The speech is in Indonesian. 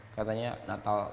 katanya natal natal tahun ini